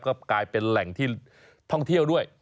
ก็กลายเป็นแหล่งที่ท่องเที่ยวด้วย